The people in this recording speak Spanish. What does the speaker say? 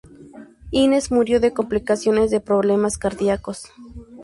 Hines murió de complicaciones de problemas cardiacos.